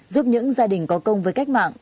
giúp những gia đình có công với cách mạng